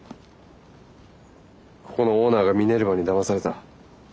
ここのオーナーがミネルヴァにだまされた。